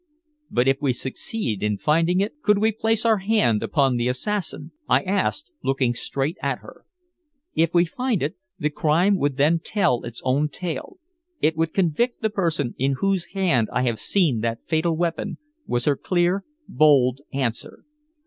"But if we succeed in finding it, could we place our hand upon the assassin?" I asked, looking straight at her. "If we find it, the crime would then tell its own tale it would convict the person in whose hand I have seen that fatal weapon," was her clear, bold answer.